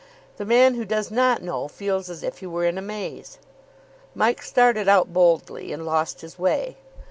The man who does not know feels as if he were in a maze. Mike started out boldly, and lost his way.